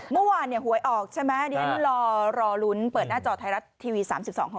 เมื่อวานหวยออกใช่ไหมนี่มันรอรุนเปิดหน้าจอไทยรัฐทีวี๓๒ของเรา